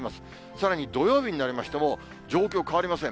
さらに土曜日になりましても、状況変わりません。